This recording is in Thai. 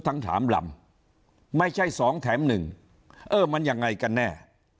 ทั้งสามลำไม่ใช่๒แถมหนึ่งเออมันยังไงกันแน่